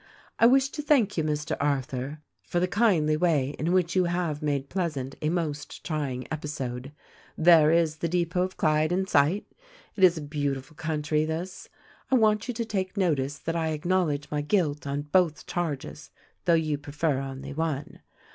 T wash to thank you, Mr. Arthur, for the kindly way in which you have made pleasant a most trying episode. There is the depot of Clyde in sight ! It is a beautiful country, this ! I want you to take notice that I acknowledge my guilt on both charges, 222 THE RECORDING ANGEL though you prefer only one.